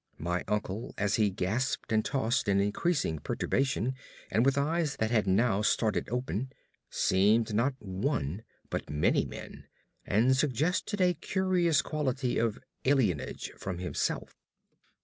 My uncle, as he gasped and tossed in increasing perturbation and with eyes that had now started open, seemed not one but many men, and suggested a curious quality of alienage from himself.